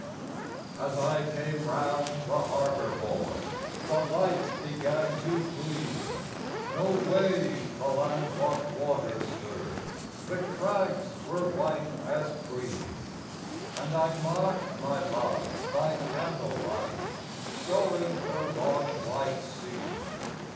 AS I came round the harbor buoy, The lights began to gleam, No wave the land locked water stirred. The crags were white as cream; FROM QUEENS' GARDENS. And I marked my love by candle light Sewing her long white seam.